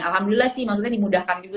alhamdulillah sih maksudnya dimudahkan juga